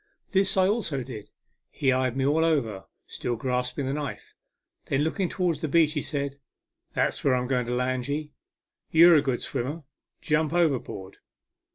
This I also did. He eyed me all over, still grasping the knife. Then looking towards the beach, he said, " That's where I'm going to land ye. You're a good swimmer. Jump over board."